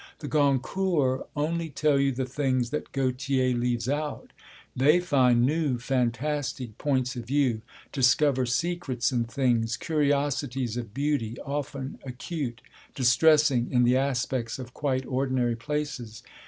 The Goncourts only tell you the things that Gautier leaves out; they find new, fantastic points of view, discover secrets in things, curiosities of beauty, often acute, distressing, in the aspects of quite ordinary places.